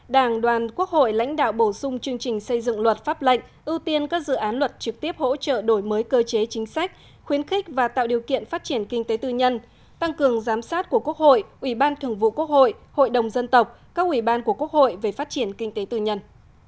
đảng đoàn quốc hội lãnh đạo bổ sung chương trình xây dựng luật pháp lệnh ưu tiên các dự án luật trực tiếp hỗ trợ đổi mới cơ chế chính sách khuyến khích và tạo điều kiện phát triển kinh tế tư nhân tăng cường giám sát của quốc hội ủy ban thường vụ quốc hội hội đồng dân tộc các ủy ban của quốc hội về phát triển kinh tế tư nhân